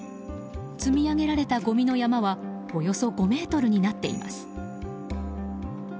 積み上げられた、ごみの山はおよそ５ｍになっています。